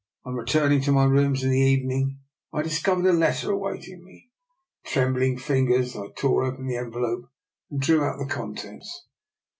On returning to my rooms in the evening I discovered a letter awaiting me. With trembling fingers I tore open the envelope and drew out the contents.